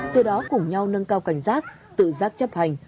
từ đó cùng nhau nâng cao cảnh giác tự giác chấp hành